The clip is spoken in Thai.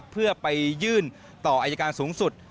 เพื่อไปยื่นต่ออายการสูงสุด